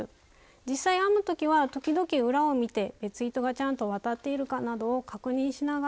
実際編む時は時々裏を見て別糸がちゃんと渡っているかなどを確認しながら編んで下さい。